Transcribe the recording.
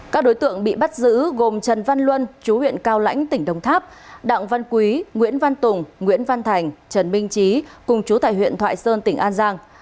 các đối tượng bị bắt giữ gồm trần văn luân chú huyện cao lãnh tỉnh đồng tháp đặng văn quý nguyễn văn tùng nguyễn văn thành trần minh trí cùng chú tại huyện thoại sơn tỉnh an giang